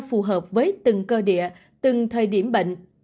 phù hợp với từng cơ địa từng thời điểm bệnh